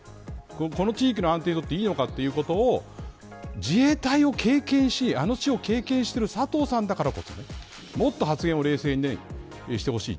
この地域の安定にとっていいのかということを自衛隊を経験しあの地を経験している佐藤さんだからこそもっと発言を冷静にしてほしい。